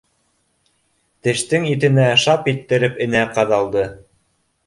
Тештең итенә шап иттереп энә ҡаҙалды.